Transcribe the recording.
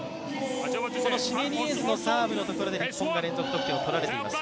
シネニエズのサーブのところで連続得点を取られています。